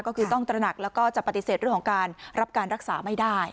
ก็คือต้องตระหนักแล้วก็จะปฏิเสธเรื่องของการรับการรักษาไม่ได้